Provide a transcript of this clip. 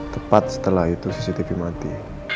tepat setelah itu cctv mati